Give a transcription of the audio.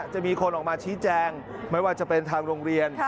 จะมีคนออกมาชี้แจงไม่ว่าจะเป็นทางโรงเรียน